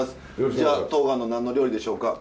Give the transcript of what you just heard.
じゃあとうがんの何の料理でしょうか？